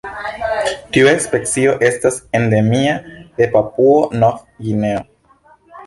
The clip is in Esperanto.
Tiu specio estas endemia de Papuo-Nov-Gvineo.